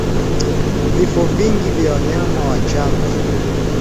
Vifo vingi vya wanyama wachanga